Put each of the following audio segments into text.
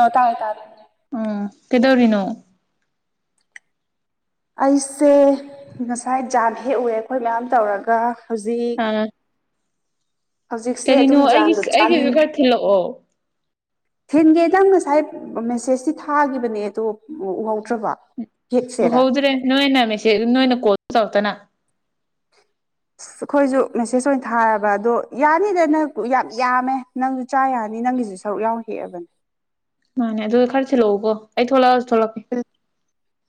ꯑꯥ ꯇꯥꯔꯦ ꯇꯥꯔꯦ ꯑꯝ ꯀꯩꯗꯧꯔꯤꯅꯣ ꯑꯩꯁꯦ ꯉꯁꯥꯏ ꯖꯥꯝ ꯍꯦꯛꯎꯔꯦ ꯑꯩꯈꯣꯏ ꯃꯌꯥꯝ ꯇꯧꯔꯒ ꯍꯧꯖꯤꯛ ꯑꯥ ꯍꯧꯖꯤꯛꯁꯦ ꯀꯔꯤꯅꯣ ꯑꯗꯨꯝ ꯑꯩꯒꯤ ꯖꯥꯝꯗꯣ ꯑꯩꯒꯤꯁꯨ ꯆꯥꯅꯤꯡ ꯈꯔ ꯊꯤꯜꯂꯛꯑꯣ ꯊꯤꯟꯒꯦ ꯅꯪ ꯉꯁꯥꯏ ꯃꯦꯁꯦꯁꯇꯤ ꯊꯥꯒꯤꯕꯅꯦ ꯑꯗꯣ ꯎꯍꯧꯗ꯭ꯔꯕꯣ ꯎꯍꯧꯗ꯭ꯔꯦ ꯅꯣꯏꯅ ꯃꯦꯁꯦ ꯅꯣꯏꯅ ꯀꯣꯜꯗꯤ ꯇꯧꯔꯛꯇꯅ ꯑꯩꯈꯣꯏꯁꯨ ꯃꯦꯁꯦꯖ ꯑꯣꯏꯅ ꯊꯥꯔꯕ ꯑꯗꯣ ꯌꯥꯅꯤꯗ ꯅꯪ ꯌꯥꯝ ꯌꯥꯝꯃꯦ ꯅꯪ ꯆꯥ ꯌꯥꯅꯤ ꯅꯪꯒꯤꯁꯨ ꯁꯔꯨꯛ ꯌꯥꯎꯅ ꯍꯦꯛꯑꯕꯅꯦ ꯃꯥꯅꯦ ꯑꯗꯨ ꯈꯔ ꯊꯤꯜꯂꯛꯎꯀꯣ ꯑꯩ ꯊꯣꯛꯂꯛꯑꯁꯨ ꯊꯣꯛꯂꯛꯀꯦ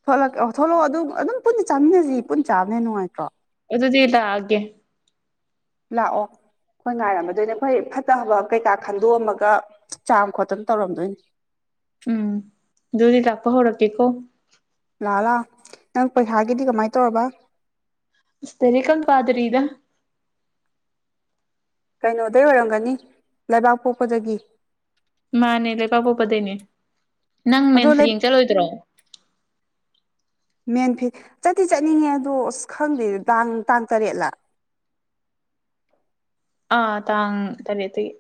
ꯊꯣꯛꯂꯛ ꯑꯣ ꯊꯣꯛꯂꯛꯑꯣ ꯑꯗꯨ ꯑꯗꯨꯝ ꯄꯨꯟꯅ ꯆꯥꯃꯤꯟꯅꯁꯤ ꯄꯨꯟꯅ ꯆꯥꯕꯅꯦ ꯍꯦꯟꯅ ꯅꯨꯡꯉꯥꯏꯇ꯭ꯔꯣ ꯑꯣꯗꯨꯗꯤ ꯂꯥꯛꯑꯒꯦ ꯂꯥꯛꯑꯣ ꯍꯣꯏ ꯉꯥꯏꯔꯝꯃꯗꯣꯏꯅꯦ ꯑꯩꯈꯣꯏ ꯐꯠꯇꯕ ꯀꯩꯀꯥ ꯈꯟꯗꯣꯛꯑꯝꯃꯒ ꯆꯥꯝ ꯈꯣꯠꯇꯅ ꯇꯧꯔꯝꯗꯣꯏꯅꯦ ꯎꯝ ꯗꯨꯗꯤ ꯂꯥꯛꯄ ꯍꯧꯔꯒꯦꯀꯣ ꯂꯥꯛꯑꯣ ꯂꯥꯛꯑꯣ ꯅꯪ ꯄꯩꯈꯥꯒꯤꯗꯤ ꯀꯃꯥꯏꯅ ꯇꯧꯔꯕ ꯑꯁ ꯂꯥꯏꯔꯤꯛꯀ ꯑꯝ ꯄꯥꯗ꯭ꯔꯤꯗ ꯀꯩꯅꯣꯗꯩ ꯑꯣꯏꯔꯝꯒꯅꯤ ꯂꯩꯕꯥꯛꯄꯣꯛꯄꯗꯒꯤ ꯃꯥꯅꯦ ꯂꯩꯕꯥꯛꯄꯣꯛꯄꯗꯩꯅꯦ ꯅꯪ ꯑꯗꯣ ꯃꯦꯟ ꯐꯤꯠ ꯌꯦꯡ ꯆꯠꯂꯣꯏꯗ꯭ꯔꯣ ꯃꯦꯟ ꯐꯤꯠ ꯆꯠꯇꯤ ꯆꯠꯅꯤꯡꯉꯦ ꯑꯗꯣ ꯑꯁ ꯈꯪꯗꯦ ꯇꯥꯡ ꯇꯥꯡ ꯇꯔꯦꯠꯂꯥ ꯑꯥ ꯇꯥꯡ ꯇꯔꯦꯠꯇꯒꯤ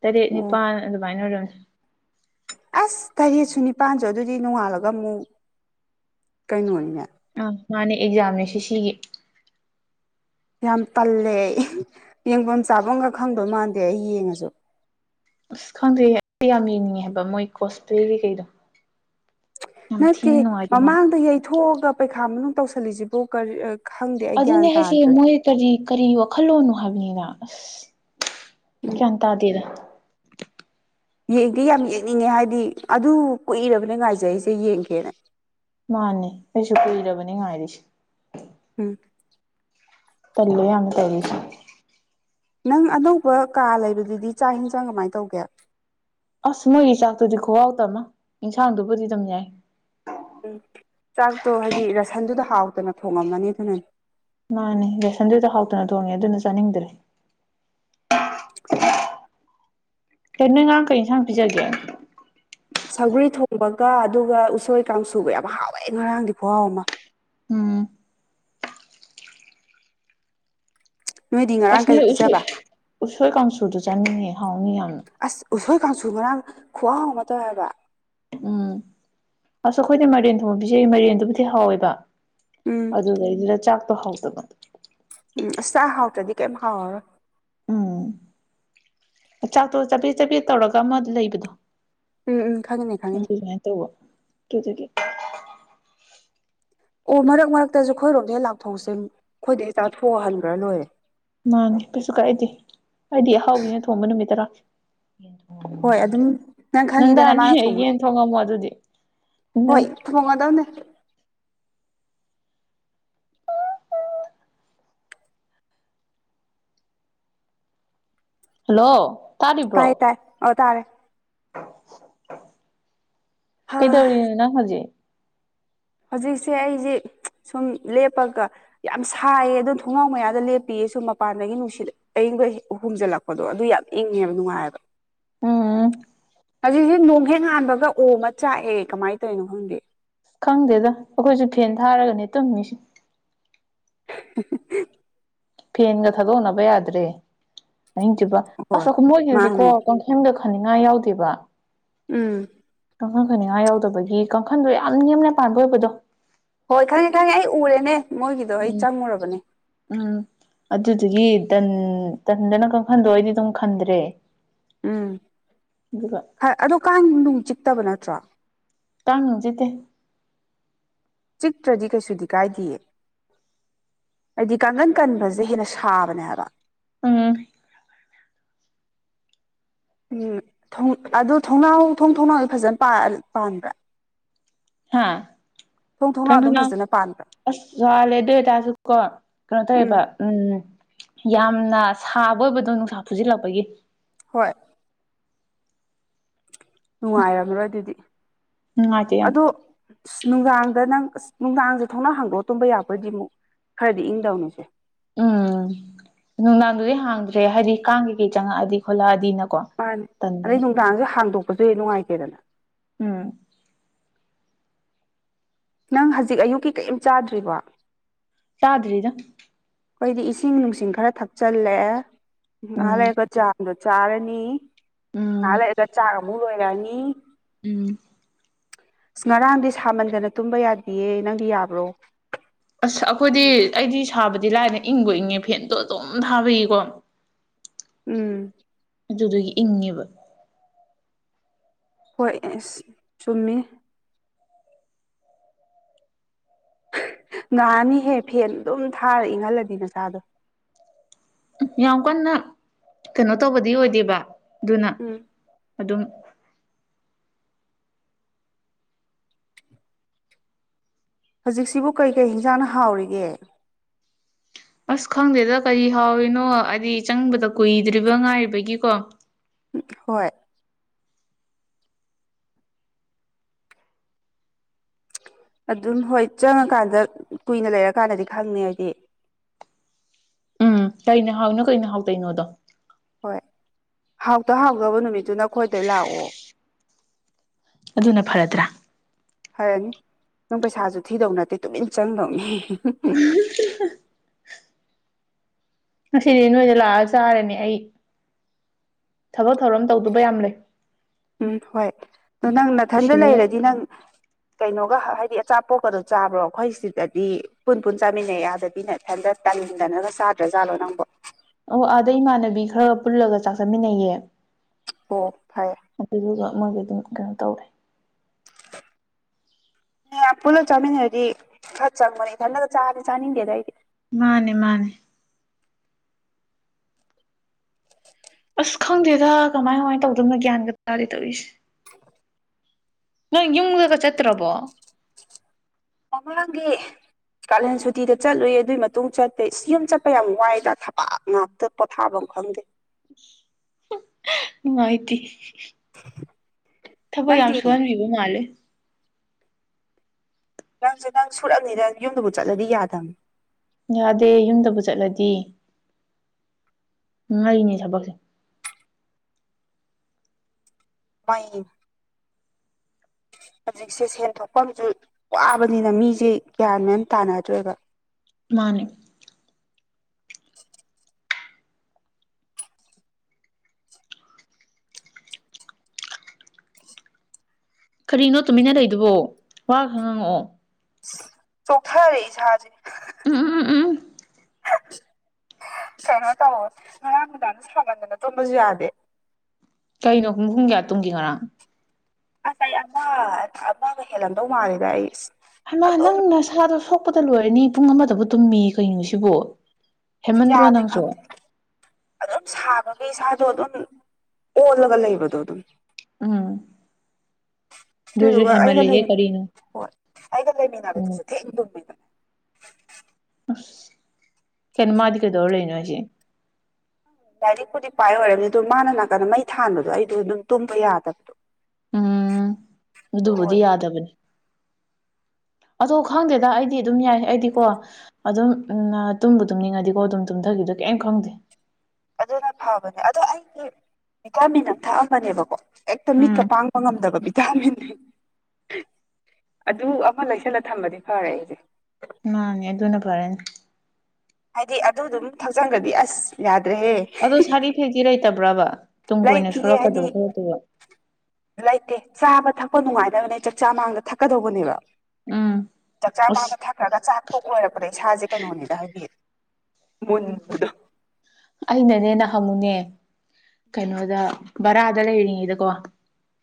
ꯇꯔꯦꯠ ꯑꯣ ꯅꯤꯄꯥꯟ ꯑꯗꯨꯃꯥꯏꯟ ꯑꯣꯏꯔꯝꯅꯤ ꯑꯁ ꯇꯔꯦꯠꯁꯨ ꯅꯤꯄꯥꯟꯁꯨ ꯑꯗꯨꯗꯤ ꯅꯣꯡꯉꯥꯜꯂꯒ ꯑꯃꯨꯛ ꯀꯩꯅꯣꯅꯤꯅꯦ ꯑꯥ ꯃꯥꯅꯦ ꯑꯦꯛꯖꯥꯝꯅꯦ ꯁꯤ ꯁꯤꯒꯤ ꯌꯥꯝ ꯇꯜꯂꯦ ꯌꯦꯡꯚꯝ ꯆꯥꯚꯝꯒ ꯈꯪꯗꯧ ꯃꯥꯟꯗꯦ ꯑꯩ ꯌꯦꯡꯉꯁꯨ ꯑꯁ ꯈꯪꯗꯦ ꯑꯩ ꯌꯥꯝ ꯌꯦꯡꯅꯤꯡꯉꯦ ꯍꯥꯏꯕ ꯃꯣꯏ ꯀꯣꯁꯄ꯭ꯂꯦꯒꯤ ꯀꯩꯀꯩꯗꯨ ꯅꯠꯇꯦ ꯅꯨꯡꯉꯥꯏꯗꯧ ꯃꯥꯜꯂꯦ ꯃꯃꯥꯡꯗ ꯌꯩꯊꯣꯛꯑꯒ ꯄꯩꯈꯥ ꯃꯅꯨꯡ ꯇꯧꯁꯤꯜꯂꯤꯁꯤꯕꯨ ꯀꯔꯤ ꯑꯥ ꯑꯗꯨꯅꯦ ꯍꯥꯏꯁꯦ ꯃꯣꯏ ꯀꯔꯤ ꯀꯔꯤ ꯋꯥꯈꯜ ꯂꯣꯟꯅꯣ ꯍꯥꯏꯕꯅꯦꯕ ꯑꯁ ꯎꯝ ꯒ꯭ꯌꯥꯟ ꯇꯥꯗꯦꯗ ꯌꯦꯡꯗꯤ ꯌꯥꯝ ꯌꯦꯡꯅꯤꯡꯉꯦ ꯍꯥꯏꯗꯤ ꯑꯗꯨ ꯀꯨꯏꯔꯕꯅꯦ ꯉꯥꯏꯖꯩꯁꯦ ꯌꯦꯡꯒꯦꯅ ꯃꯥꯅꯦ ꯑꯩꯁꯨ ꯀꯨꯏꯔꯕꯅꯦ ꯉꯥꯏꯔꯤꯁꯤ ꯎꯝ ꯇꯜꯂꯦ ꯌꯥꯝꯅ ꯇꯧꯔꯤꯁꯤ ꯅꯪ ꯑꯅꯧꯕ ꯀꯥ ꯂꯩꯕꯗꯨꯗꯤ ꯆꯥꯛ ꯍꯤꯟꯖꯥꯡ ꯀꯃꯥꯏ ꯇꯧꯒꯦ ꯑꯁ ꯃꯣꯏꯒꯤ ꯆꯥꯛꯇꯨꯗꯤ ꯈꯨꯍꯥꯎꯇ ꯑꯃ ꯏꯟꯁꯥꯡꯗꯨꯕꯨꯗꯤ ꯑꯗꯨꯝ ꯌꯥꯏ ꯎꯝ ꯆꯥꯛꯇꯣ ꯍꯥꯏꯗꯤ ꯔꯁꯟꯗꯨꯗ ꯍꯥꯎꯇꯅ ꯊꯣꯡꯉꯝꯃꯅꯤ ꯑꯗꯨꯅꯅꯤ ꯃꯥꯅꯦ ꯔꯁꯟꯗꯨꯗ ꯍꯥꯎꯇꯅ ꯊꯣꯡꯉꯦ ꯑꯗꯨꯅ ꯆꯥꯅꯤꯡꯗ꯭ꯔꯦ [unintelligible] ꯀꯩ ꯅꯣꯏ ꯉꯔꯥꯡ ꯀꯩ ꯏꯟꯁꯥꯡ ꯄꯤꯖꯒꯦ ꯁꯧꯒ꯭ꯔꯤ ꯊꯣꯡꯕꯒ ꯑꯗꯨꯒ ꯎꯁꯣꯏ ꯀꯥꯡꯁꯨꯒ ꯌꯥꯝ ꯍꯥꯎꯋꯦ ꯉꯔꯥꯡꯗꯤ ꯈꯨꯍꯥꯎ ꯑꯃ ꯎꯝ ꯅꯣꯏꯗꯤ ꯉꯔꯥꯡ ꯑꯁ ꯀꯩ ꯅꯣꯏ ꯎ ꯄꯤꯖꯕ ꯎꯁꯣꯏ ꯀꯥꯡꯁꯨꯗꯨ ꯆꯥꯅꯤꯡꯉꯦ ꯍꯥꯎꯅꯤ ꯌꯥꯝꯅ ꯑꯁ ꯎꯁꯣꯏ ꯀꯥꯡꯁꯨ ꯉꯔꯥꯡ ꯈꯨꯍꯥꯎ ꯑꯃ ꯇꯧꯋꯦ ꯍꯥꯏꯕ ꯎꯝ ꯑꯁ ꯑꯩꯈꯣꯏꯗꯤ ꯃꯥꯏꯔꯦꯟ ꯊꯣꯡꯕ ꯄꯤꯖꯩ ꯃꯥꯏꯔꯦꯟꯗꯨꯕꯨꯗꯤ ꯍꯥꯎꯋꯦꯕ ꯎꯝ ꯑꯗꯨꯗꯩꯗꯨꯗ ꯆꯥꯛꯇꯣ ꯍꯥꯎꯇꯕ ꯎꯝ ꯑꯁ ꯆꯥꯛ ꯍꯥꯎꯇ꯭ꯔꯗꯤ ꯀꯩꯝ ꯍꯥꯎꯔꯔꯣꯏ ꯎꯝ ꯆꯥꯛꯇꯣ ꯆꯕꯦꯠ ꯆꯕꯦꯠ ꯇꯧꯔꯒ ꯑꯃ ꯂꯩꯕꯗꯨ ꯎꯝ ꯎꯝ ꯈꯪꯉꯤꯅꯦ ꯈꯪꯉꯤꯅꯦ ꯑꯗꯨ ꯑꯗꯨꯃꯥꯏꯟ ꯇꯧꯕ ꯀꯦꯇꯨꯒꯤ ꯑꯣ ꯃꯔꯛ ꯃꯔꯛꯇꯁꯨ ꯑꯩꯈꯣꯏꯔꯣꯝꯗ ꯍꯦꯛ ꯂꯥꯛꯊꯣꯛꯁꯦ ꯑꯩꯈꯣꯏꯗꯩ ꯍꯦꯛ ꯆꯥꯊꯣꯛꯑꯒ ꯍꯟꯒ꯭ꯔꯥ ꯂꯣꯏꯔꯦ ꯃꯥꯅꯤ ꯀꯩꯁꯨ ꯀꯥꯏꯗꯦ ꯑꯩꯗꯤ ꯑꯍꯥꯎꯕꯤꯅ ꯊꯣꯡꯕ ꯅꯨꯃꯤꯠꯇ ꯂꯥꯛꯁꯤ ꯍꯣꯏ ꯑꯗꯨꯝ ꯅꯪ ꯈꯪꯉꯤꯗꯅ ꯅꯟꯗꯥꯅꯤ ꯃꯥꯅ ꯊꯣꯡꯕ ꯌꯦꯟ ꯊꯣꯡꯉꯝꯃꯣ ꯑꯗꯨꯗꯤ ꯊꯣꯡꯉꯗꯝꯅꯦ ꯍꯜꯂꯣ ꯇꯥꯔꯤꯕ꯭ꯔꯣ ꯇꯥꯏ ꯇꯥꯏ ꯑꯥ ꯇꯥꯔꯦ ꯍꯥ ꯀꯩꯗꯧꯔꯤꯅꯣ ꯅꯪ ꯍꯧꯖꯤꯛ ꯍꯧꯖꯤꯛꯁꯦ ꯑꯩꯁꯤ ꯁꯨꯝ ꯂꯦꯞꯄꯒ ꯌꯥꯝ ꯁꯥꯏꯌꯦ ꯑꯗꯨ ꯊꯣꯡꯅꯥꯎ ꯃꯌꯥꯗ ꯂꯦꯞꯄꯤꯌꯦ ꯁꯨꯝ ꯃꯄꯥꯟꯗꯒꯤ ꯅꯨꯡꯁꯤꯠ ꯑꯌꯤꯡꯕ ꯍꯨꯝꯖꯤꯜꯂꯛ ꯄꯗꯨ ꯑꯗꯨ ꯌꯥꯝ ꯏꯪꯉꯦ ꯅꯨꯡꯉꯥꯏꯌꯦꯕ ꯎꯝ ꯍꯧꯖꯤꯛꯁꯤ ꯅꯣꯡ ꯍꯦꯛ ꯉꯥꯟꯕꯒ ꯑꯣꯝꯃ ꯆꯥꯛꯑꯦ ꯀꯃꯥꯏꯅ ꯇꯧꯔꯤꯅꯣ ꯈꯪꯗꯦ ꯈꯪꯗꯦꯗ ꯑꯩꯈꯣꯏꯁꯨ ꯐꯦꯟ ꯊꯥꯔꯒꯅꯦ ꯇꯨꯝꯃꯤꯁꯤ [unintelligible] ꯐꯦꯟꯒ ꯊꯥꯗꯣꯛꯅꯕ ꯌꯥꯗ꯭ꯔꯦ ꯑꯍꯤꯡ ꯆꯨꯞꯄ ꯍꯣꯏ ꯑꯁ ꯃꯣꯏꯒꯤꯗꯨꯗꯤ ꯀꯣ ꯃꯥꯅꯦ ꯀꯥꯡꯈꯤꯒ ꯈꯟꯅꯤꯡꯉꯥꯏ ꯌꯥꯎꯗꯦꯕ ꯎꯝ ꯀꯥꯡꯈꯟ ꯈꯟꯅꯤꯡꯉꯥꯏ ꯌꯥꯎꯗꯕꯒꯤ ꯀꯥꯡꯈꯟꯗꯣ ꯌꯥꯝ ꯅꯦꯝꯅ ꯄꯥꯟꯕ ꯑꯣꯏꯕꯗꯣ ꯍꯣꯏ ꯈꯪꯉꯦ ꯈꯪꯉꯦ ꯑꯩ ꯎꯔꯦꯅꯦ ꯃꯣꯏꯒꯤꯗꯣ ꯑꯩ ꯎꯝ ꯆꯪꯉꯨꯔꯕꯅꯦ ꯎꯝ ꯑꯗꯨꯗꯨꯒꯤ ꯇꯟ ꯇꯟꯗꯅ ꯀꯥꯡꯈꯟꯗꯣ ꯑꯩꯗꯤ ꯑꯗꯨꯝ ꯈꯟꯗ꯭ꯔꯦ ꯎꯝ ꯑꯗꯨꯒ ꯑꯗꯣ ꯀꯥꯡ ꯅꯨꯡ ꯆꯤꯛꯇꯕ ꯅꯠꯇ꯭ꯔꯣ ꯀꯥꯡ ꯅꯨꯡ ꯆꯤꯛꯇꯦ ꯆꯤꯛꯇ꯭ꯔꯗꯤ ꯀꯩꯁꯨꯗꯤ ꯀꯥꯏꯗꯤꯌꯦ ꯍꯥꯏꯗꯤ ꯀꯥꯡꯒꯟ ꯀꯟꯕꯖꯦ ꯍꯦꯟꯅ ꯁꯥꯕꯅꯦ ꯍꯥꯏꯕ ꯎꯝ ꯎꯝ ꯊꯣꯡ ꯑꯗꯨ ꯊꯣꯡꯅꯥꯎ ꯊꯣꯡ ꯊꯣꯡꯅꯥꯎꯗꯤ ꯐꯖꯅ ꯄꯥꯟ ꯄꯥꯟꯕ꯭ꯔꯥ ꯍꯥꯥ ꯊꯣꯡ ꯊꯣꯡꯅꯥꯎ ꯑꯗꯨꯝ ꯐꯖꯅ ꯄꯥꯟꯕ꯭ꯔꯥ ꯑꯁ ꯋꯥꯜꯂꯦ ꯑꯗꯨꯏꯇꯥꯁꯨ ꯀꯣ ꯀꯩꯅꯣ ꯇꯧꯋꯦꯕ ꯎꯝ ꯌꯥꯝꯅ ꯁꯥꯕ ꯑꯣꯏꯕꯗꯣ ꯅꯨꯡꯁꯥ ꯐꯨꯖꯤꯜꯂꯛꯄꯒꯤ ꯍꯣꯏ ꯅꯨꯡꯉꯥꯏꯝꯔꯣꯏ ꯑꯗꯨꯗꯤ ꯅꯨꯡꯉꯥꯏꯇꯦ ꯌꯥꯝ ꯑꯗꯣ ꯏꯁ ꯅꯨꯡꯗꯥꯡꯗ ꯅꯪ ꯑꯁ ꯅꯨꯡꯗꯥꯡꯗ ꯊꯣꯛꯅꯥꯎ ꯍꯥꯡꯗꯣꯛꯑꯒ ꯇꯨꯝꯕ ꯌꯥꯕ ꯑꯣꯏꯗꯤ ꯃꯨꯛ ꯈꯔꯗꯤ ꯏꯪꯗꯧꯅꯤꯁꯦ ꯎꯝ ꯅꯨꯡꯗꯥꯡꯗꯨꯗꯤ ꯍꯥꯡꯗ꯭ꯔꯦ ꯍꯥꯏꯗꯤ ꯀꯥꯡ ꯀꯩꯀꯩ ꯆꯪꯉꯛꯑꯗꯤ ꯈꯣꯠꯂꯛꯑꯗꯤꯅꯀꯣ ꯃꯥꯅꯤ ꯑꯗꯩ ꯇꯟꯗꯅ ꯅꯨꯡꯗꯥꯡꯖꯨ ꯍꯥꯡꯗꯣꯛꯄꯖꯨ ꯍꯦꯛ ꯅꯨꯡꯉꯥꯏꯇꯦꯗꯅ ꯎꯝ ꯅꯪ ꯍꯖꯤꯛ ꯑꯌꯨꯛꯀꯤ ꯀꯩꯝ ꯆꯥꯗ꯭ꯔꯤꯕ ꯆꯥꯗ꯭ꯔꯤꯗ ꯈꯣꯏꯗꯤ ꯏꯁꯤꯡ ꯅꯨꯡꯁꯤꯡ ꯈꯔ ꯊꯛꯆꯜꯂꯦ ꯉꯍꯥꯛ ꯎꯝ ꯂꯩꯔꯒ ꯆꯥ ꯑꯗꯨꯒ ꯆꯥꯔꯅꯤ ꯎꯝ ꯉꯍꯥꯛ ꯂꯩꯔꯒ ꯆꯥꯛꯃꯨꯛ ꯂꯣꯏꯔꯛꯑꯅꯤ ꯎꯝ ꯑꯁ ꯉꯔꯥꯡꯗꯤ ꯁꯥꯃꯟꯗꯅ ꯇꯨꯝꯕ ꯌꯥꯗꯤꯌꯦ ꯅꯪꯗꯤ ꯌꯥꯕ꯭ꯔꯣ ꯑꯁ ꯑꯩꯈꯣꯏꯗꯤ ꯑꯩꯗꯤ ꯁꯥꯕꯗꯤ ꯂꯥꯏꯅ ꯏꯪꯕꯨ ꯏꯪꯉꯦ ꯐꯦꯟꯗꯣ ꯑꯗꯨꯝ ꯊꯥꯕꯒꯤꯀꯣ [unintelligible] ꯎꯝ ꯑꯗꯨꯗꯨꯒꯤ ꯏꯪꯉꯦꯕ ꯍꯣꯏ ꯑꯁ ꯆꯨꯝꯃꯤꯅꯦ ꯅꯥꯅꯤꯍꯦ ꯐꯦꯟ ꯑꯗꯨꯝ ꯊꯥꯔ ꯏꯪꯍꯜꯂꯗꯤ ꯅꯆꯥꯗꯣ ꯌꯥꯝ ꯀꯟꯅ ꯀꯩꯅꯣ ꯇꯧꯕꯗꯤ ꯑꯣꯏꯗꯦꯕ ꯑꯗꯨꯅ ꯎꯝ ꯑꯗꯨꯝ ꯍꯖꯤꯛꯁꯤꯕꯨ ꯀꯩ ꯀꯩ ꯍꯤꯟꯖꯥꯡꯅ ꯍꯥꯎꯔꯤꯒꯦ ꯑꯁ ꯈꯪꯗꯦꯗ ꯀꯔꯤ ꯍꯥꯎꯔꯤꯅꯣ ꯍꯥꯏꯗꯤ ꯆꯪꯕꯗ ꯀꯨꯏꯗ꯭ꯔꯤꯕ ꯉꯥꯏꯔꯤꯕꯒꯤꯀꯣ ꯍꯣꯏ ꯑꯗꯨꯝ ꯍꯣꯏ ꯆꯪꯉꯀꯥꯟꯗ ꯀꯨꯏꯅ ꯂꯩꯔꯀꯥꯟꯗꯗꯤ ꯈꯪꯉꯦ ꯍꯥꯏꯗꯤ ꯎꯝ ꯀꯩꯅ ꯍꯥꯎꯔꯤꯅꯣ ꯀꯩꯅ ꯍꯥꯎꯇ꯭ꯔꯤꯅꯣꯗꯣ ꯍꯣꯏ ꯍꯥꯎꯇ ꯍꯥꯎꯗꯕ ꯅꯨꯃꯤꯠꯇꯨꯅ ꯈꯣꯏꯗ ꯂꯥꯛꯑꯣ ꯑꯗꯨꯅ ꯐꯔꯗ꯭ꯔꯥ ꯐꯔꯅꯤ ꯅꯪ ꯄꯩꯁꯥꯁꯨ ꯊꯤꯗꯧ ꯅꯠꯇꯦ ꯇꯨꯃꯤꯟ ꯆꯪꯗꯧꯅꯤ ꯉꯁꯤꯗꯤ ꯅꯣꯏꯗ ꯂꯥꯛꯑ ꯆꯥꯔꯅꯤ ꯑꯩ ꯊꯕꯛ ꯊꯧꯔꯝ ꯇꯧꯗꯨꯕ ꯌꯥꯝ ꯂꯩ ꯎꯝ ꯍꯣꯏ ꯇꯨ ꯅꯪ ꯅꯥꯊꯟꯗ ꯁꯤꯜꯂꯒ ꯂꯩꯔꯗꯤ ꯅꯪ ꯀꯩꯅꯣꯒ ꯍꯥꯏꯗꯤ ꯑꯆꯥꯄꯣꯠꯀꯗꯣ ꯆꯥꯕ꯭ꯔꯣ ꯑꯩꯈꯣꯏ ꯁꯤꯗꯗꯤ ꯄꯨꯟ ꯄꯨꯟ ꯆꯥꯃꯤꯟꯅꯩ ꯑꯥꯗꯗꯤ ꯅꯊꯟꯗ ꯇꯥꯟꯗꯅꯒ ꯆꯥꯗ꯭ꯔꯥꯖꯥꯠꯂꯣ ꯅꯪꯕꯣ ꯑꯣ ꯑꯥꯗ ꯏꯃꯥꯟꯅꯕꯤ ꯈꯔ ꯄꯨꯜꯂꯒ ꯆꯥꯛ ꯆꯃꯤꯟꯅꯩꯌꯦ ꯑꯣ ꯐꯩꯌꯦ ꯑꯗꯨꯗꯨꯒ ꯃꯣꯏꯒꯤ ꯑꯗꯨꯝ ꯀꯩꯅꯣ ꯇꯧꯋꯦ ꯃꯌꯥꯝ ꯄꯨꯜꯂ ꯆꯥꯃꯤꯟꯅꯔꯗꯤ ꯈꯔ ꯆꯪꯕꯅꯤ ꯏꯊꯟꯗꯒ ꯆꯥꯔꯗꯤ ꯆꯥꯅꯤꯡꯅꯤꯗꯦꯗ ꯑꯩꯗꯤ ꯃꯥꯅꯦ ꯃꯥꯅꯦ ꯑꯁ ꯈꯪꯗꯦꯗ ꯀꯃꯥꯏ ꯀꯃꯥꯏꯅ ꯇꯧꯗ꯭ꯔꯤꯃꯅꯣ ꯒ꯭ꯌꯥꯟꯒ ꯇꯥꯖꯦ ꯇꯧꯔꯤꯁꯦ ꯅꯪ ꯌꯨꯝꯗꯒ ꯆꯠꯇ꯭ꯔꯕꯣ ꯄꯥꯞꯄꯨꯂꯥꯡꯒꯤ ꯀꯥꯂꯦꯟ ꯁꯨꯇꯤꯗ ꯆꯠꯂꯨꯏ ꯑꯗꯨꯏ ꯃꯇꯨꯡ ꯆꯠꯇꯦ ꯏꯁ ꯌꯨꯝ ꯆꯠꯄ ꯌꯥꯝ ꯋꯥꯏꯗ ꯊꯕꯥꯛ ꯉꯥꯛꯇ ꯄꯣꯠꯊꯥꯕꯝ ꯈꯪꯗꯦ ꯅꯨꯡꯉꯥꯏꯇꯦ [unintelligible] ꯊꯕꯛ ꯌꯥꯝ ꯅꯪꯗꯤ ꯁꯨꯍꯟꯕꯤꯕ ꯃꯥꯜꯂꯦ ꯅꯪꯖꯨ ꯅꯪ ꯁꯨꯔꯝꯅꯤꯗ ꯌꯨꯝꯗꯕꯨ ꯆꯠꯂꯗꯤ ꯌꯥꯗꯃꯤ ꯌꯥꯗꯦ ꯌꯨꯝꯗꯕꯨ ꯆꯠꯂꯗꯤ ꯃꯩꯅꯤ ꯊꯕꯛꯁꯦ ꯃꯩꯅꯤ ꯍꯧꯖꯤꯛꯁꯦ ꯁꯦꯟꯊꯣꯛꯄꯝꯖꯨ ꯋꯥꯕꯅꯤꯅ ꯃꯤꯖꯦ ꯒ꯭ꯌꯥꯟ ꯃꯦꯟ ꯑꯝ ꯇꯥꯅꯗ꯭ꯔꯦꯕ ꯃꯥꯅꯦ [unintelligible] ꯀꯔꯤꯅꯣ ꯇꯨꯃꯤꯟꯅ ꯂꯩꯗꯨꯕꯣ ꯋꯥꯒ ꯈꯔ ꯉꯪꯉꯛꯑꯣ ꯆꯣꯛꯊꯔꯦ ꯏꯁꯥꯥꯖꯦ ꯎꯝ ꯎꯝ ꯎꯝ ꯎꯝ ꯀꯩꯅꯣ ꯇꯧꯋꯣ ꯉꯔꯥꯡ ꯅꯨꯡꯗꯥꯡꯖꯨ ꯁꯥꯃꯟꯗꯅ ꯇꯨꯝꯕꯁꯨ ꯌꯥꯗꯦ ꯀꯩꯅꯣ ꯍꯨꯡꯍꯨꯡ ꯀꯌꯥ ꯇꯨꯝꯒꯦ ꯉꯔꯥꯡ ꯑꯁ ꯑꯩ ꯑꯃ ꯑꯃꯒ ꯍꯦꯜꯂꯝꯗꯧ ꯃꯥꯜꯂꯤꯗ ꯑꯩ ꯍꯩꯃꯥ ꯑꯗꯨꯝ ꯅꯪ ꯅꯁꯥꯗꯣ ꯁꯣꯛꯄꯗ ꯂꯣꯏꯔꯅꯤ ꯄꯨꯡ ꯑꯃꯗꯕꯨ ꯇꯨꯝꯃꯤꯌꯦ ꯀꯩꯅꯣ ꯁꯤꯕꯨ ꯌꯥꯗꯦ ꯈꯪꯗꯦ ꯑꯗꯨꯝ ꯁꯥꯕꯒꯤ ꯏꯁꯥꯖꯨ ꯑꯗꯨꯝ ꯑꯣꯜꯂꯒ ꯂꯩꯕꯗꯣ ꯑꯗꯨꯒꯤ ꯎꯝ ꯑꯗꯨꯁꯨ ꯑꯗꯨꯗꯨꯒ ꯑꯩꯒ ꯂꯩ ꯍꯦꯟꯃꯜꯂꯦꯍꯦ ꯀꯔꯤꯅꯣ ꯍꯣꯏ ꯑꯩꯒ ꯎꯝ ꯂꯩꯃꯤꯟꯅꯕꯗꯨꯁꯨ ꯊꯦꯡ ꯇꯨꯝꯕꯤꯗꯣ ꯑꯁ ꯀꯩꯅꯣ ꯃꯥꯗꯤ ꯀꯩꯗꯧꯔ ꯂꯩꯅꯣ ꯍꯥꯏꯁꯦ ꯂꯥꯏꯔꯤꯛꯄꯨꯗꯤ ꯄꯥꯏ ꯑꯣꯏꯔꯝꯅꯤ ꯑꯗꯣ ꯃꯥꯅ ꯅꯥꯀꯟꯗ ꯃꯩ ꯊꯥꯟꯕꯗꯣ ꯑꯩꯗꯣ ꯑꯗꯨꯝ ꯇꯨꯝꯕ ꯌꯥꯗꯕꯗꯣ ꯎꯝ ꯑꯗꯨ ꯑꯗꯨꯕꯨꯗꯤ ꯑꯣꯏ ꯌꯥꯗꯕꯅꯤ ꯑꯗꯣ ꯈꯪꯗꯦꯗ ꯑꯩꯗꯤ ꯑꯗꯨꯝ ꯌꯥꯏ ꯑꯩꯗꯤꯀꯣ ꯑꯗꯨꯝ ꯅ ꯇꯨꯝꯕꯨ ꯇꯨꯝꯅꯤꯡꯉꯗꯤꯀꯣ ꯑꯗꯨꯝ ꯇꯨꯝꯊꯈꯤꯕꯗ ꯀꯩꯝ ꯈꯪꯗꯦ ꯑꯗꯨꯅ ꯐꯕꯅꯦ ꯑꯗꯣ ꯑꯩꯒꯤ ꯕꯤꯇꯥꯃꯤꯟ ꯑꯝ ꯊꯛꯑꯝꯕꯅꯦꯕꯀꯣ ꯑꯦꯛꯇ ꯃꯤꯠꯀ ꯎꯝ ꯄꯥꯡꯕ ꯉꯝꯗꯕ ꯕꯤꯠ ꯇꯥꯃꯤꯟ ꯑꯗꯨ ꯑꯃ ꯂꯩꯁꯜꯂ ꯊꯝꯕꯗꯤ ꯐꯔꯦ ꯑꯩꯖꯦ ꯃꯥꯅꯦ ꯑꯗꯨꯅ ꯐꯔꯅꯤ ꯍꯥꯏꯗꯤ ꯑꯗꯨꯗꯨꯝ ꯊꯛꯆꯟꯒ꯭ꯔꯗꯤ ꯑꯁ ꯌꯥꯗ꯭ꯔꯦꯍꯦ ꯑꯗꯣ ꯁꯥꯏꯠ ꯏꯐꯦꯛꯇꯤ ꯂꯩꯇꯕ꯭ꯔꯕ ꯇꯨꯡ ꯀꯣꯏꯅ ꯂꯩꯇꯤꯌꯦ ꯍꯥꯏꯗꯤ ꯁꯨꯔꯛꯀꯗꯕ ꯈꯣꯠꯇꯕ ꯂꯩꯇꯦ ꯆꯥꯕ ꯊꯛꯄ ꯅꯨꯡꯉꯥꯏꯗꯕꯅꯦ ꯆꯥꯛꯆꯥ ꯃꯃꯥꯡꯗ ꯊꯛꯀꯗꯧꯕꯅꯦꯕ꯫ ꯎꯝ ꯆꯥꯛꯆꯥ ꯑꯁ ꯃꯃꯥꯡꯗ ꯊꯛ ꯈ꯭ꯔꯒ ꯆꯥꯛ ꯇꯣꯛ ꯂꯣꯏꯔꯛꯄꯗ ꯏꯁꯥꯁꯦ ꯀꯩꯅꯣꯅꯤꯗ ꯍꯥꯏꯗꯤ ꯃꯨꯟꯕꯗꯣ꯫ ꯑꯩꯅꯅꯦ ꯅꯍꯥꯟꯃꯨꯛꯅꯦ ꯀꯩꯅꯣꯗ ꯚꯔꯥꯗ ꯂꯩꯔꯤꯉꯩꯗꯀꯣ꯫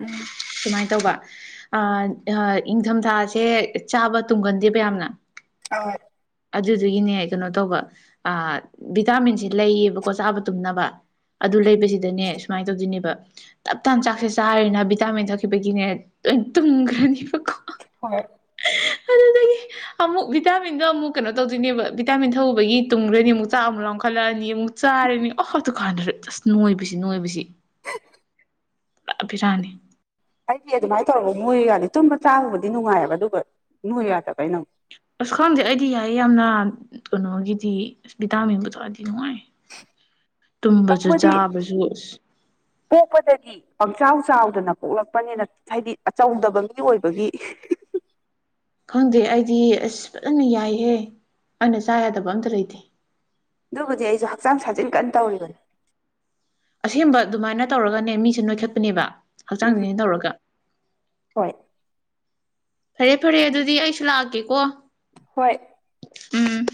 ꯎꯝ ꯁꯨꯃꯥꯏ ꯇꯧꯕ꯫ ꯑ ꯑ ꯏꯪꯊꯝꯊꯥꯁꯦ ꯆꯥꯕ ꯇꯨꯡꯒꯟꯗꯦꯕ ꯌꯥꯝꯅ꯫ [unintelligible] ꯑꯗꯨꯗꯨꯒꯤꯅꯦ ꯀꯩꯅꯣ ꯇꯧꯕ ꯚꯤꯇꯥꯃꯤꯟꯁꯤ ꯂꯩꯌꯦꯕꯀꯣ ꯆꯥꯕ ꯇꯨꯝꯅꯕ ꯑꯗꯨ ꯂꯩꯕꯁꯤꯗꯅꯦ ꯁꯨꯃꯥꯏꯅ ꯇꯧꯗꯣꯏꯅꯦꯕ꯫ ꯇꯞꯇꯥꯥꯏꯅ ꯆꯥꯛꯁꯦ ꯆꯥꯔꯦꯕ ꯚꯤꯇꯥꯃꯤꯟ ꯊꯛꯈꯤꯕꯒꯤꯅꯦ ꯂꯣꯏ ꯇꯨꯝꯈ꯭ꯔꯅꯤꯕꯀꯣ꯫ ꯍꯣꯏ꯫ ꯑꯗꯨꯗꯩ ꯑꯃꯨꯛ ꯚꯤꯇꯥꯃꯤꯟꯗꯣ ꯑꯃꯨꯛ ꯀꯩꯅꯣ ꯇꯧꯗꯣꯏꯅꯦꯕ ꯚꯤꯇꯥꯃꯤꯟ ꯊꯛꯑꯨꯕꯒꯤ ꯇꯨꯝꯒꯔꯅꯤ ꯑꯃꯨꯛ ꯆꯥꯛ ꯑꯃꯨꯛ ꯂꯥꯝꯈꯠꯂꯛꯑꯅꯤ꯫ ꯑꯃꯨꯛ ꯆꯥꯔꯅꯤ ꯑꯣ ꯑꯗꯨꯀꯥꯟꯗꯨ ꯑꯁ ꯅꯣꯏꯕꯁꯤ ꯅꯣꯏꯕꯁꯤ꯫ ꯄꯨꯔꯥ ꯕꯦꯔꯥꯅꯤ꯫ ꯑꯩꯗꯤ ꯑꯗꯨꯃꯥꯏꯅ ꯇꯧꯔꯐꯧ ꯅꯣꯏꯌꯨ ꯌꯥꯗꯦ ꯇꯨꯝꯕ ꯆꯥꯕꯕꯨꯗꯤ ꯅꯨꯡꯉꯥꯏꯌꯦꯕ ꯑꯗꯨꯒ ꯅꯣꯏꯌꯨ ꯌꯥꯗꯕ ꯑꯩꯅ ꯑꯃꯨꯛ꯫ ꯑꯁ ꯈꯪꯗꯦ ꯑꯩꯗꯤ ꯌꯥꯏꯌꯦ ꯌꯥꯝꯅ ꯀꯩꯅꯣꯒꯤꯗꯤ ꯑꯁ ꯚꯤꯇꯥꯃꯤꯟꯕꯨ ꯊꯛꯑꯗꯤ ꯅꯨꯡꯉꯥꯏꯌꯦ꯫ ꯇꯨꯝꯕꯁꯨ ꯇꯧꯕꯗꯤ ꯆꯥꯕꯁꯨ ꯑꯁ꯫ ꯄꯣꯛꯄꯗꯒꯤ꯫ ꯄꯪꯆꯥꯎ ꯆꯥꯎꯗꯅ ꯄꯣꯛꯂꯛꯄꯅꯤꯅ ꯍꯥꯏꯗꯤ ꯑꯆꯧꯗꯕ ꯃꯤ ꯑꯣꯏꯕꯒꯤ ꯈꯪꯗꯦ ꯑꯩꯗꯤ ꯑꯁ ꯐꯖꯅ ꯌꯥꯏꯍꯦ ꯑꯩꯅ ꯆꯥ ꯌꯥꯗꯕ ꯑꯝꯇ ꯂꯩꯇꯦ꯫ ꯅꯪ ꯍꯧꯖꯤꯛ ꯑꯩꯁꯨ ꯍꯛꯆꯥꯡ ꯁꯥꯖꯦꯟ ꯀꯟꯅ ꯇꯧꯔꯤꯕꯅꯤ꯫ ꯑꯁꯦꯡꯕ ꯑꯗꯨꯃꯥꯏꯅ ꯇꯧꯔꯒꯅꯦ ꯃꯤꯁꯦ ꯅꯣꯏꯈꯠꯄꯅꯦꯕ꯫ ꯍꯛꯆꯥꯡ ꯎꯝ ꯁꯥꯖꯦꯟ ꯇꯧꯔꯒ꯫ ꯍꯣꯏ ꯐꯔꯦ ꯐꯔꯦ ꯑꯗꯨꯗꯤ ꯑꯩꯁꯨ ꯂꯥꯛꯀꯦꯀꯣ꯫ ꯍꯣꯏ꯫ ꯎꯝ꯫